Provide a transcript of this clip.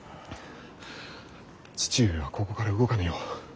父上はここから動かぬよう。